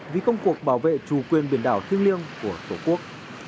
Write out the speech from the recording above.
vì công cuộc bảo vệ chủ quyền biển đảo thiêng liêng của tổ quốc